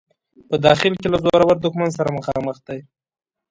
په داخل کې له زورور دښمن سره مخامخ دی.